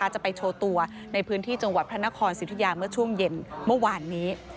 จะไปโชว์ตัวในพื้นที่จังหวัดพระนครสิทธิยาเมื่อช่วงเย็นเมื่อวานนี้